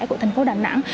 của thành phố đà nẵng